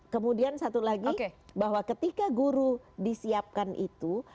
kemudian satu lagi bahwa ketika guru disiapkan itu